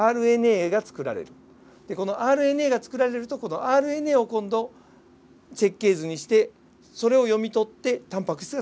ＲＮＡが作られると今度はＲＮＡを今度設計図にしてそれを読み取ってタンパク質が作られる。